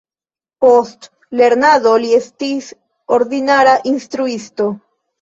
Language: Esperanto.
Post lernado li estis ordinara instruisto.